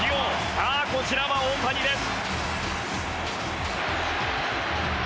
さあこちらは大谷です。